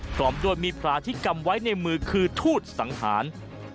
พร้อมด้วยมีพระที่กำไว้ในมือคือทูตสังหาร